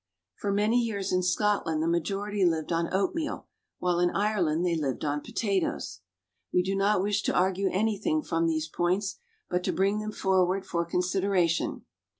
For many years in Scotland the majority lived on oatmeal, while in Ireland they lived on potatoes. We do not wish to argue anything from these points, but to bring them forward for consideration.